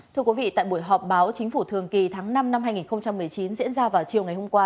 thưa quý vị tại buổi họp báo chính phủ thường kỳ tháng năm năm hai nghìn một mươi chín diễn ra vào chiều ngày hôm qua